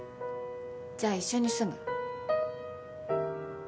じゃあ一緒に住む？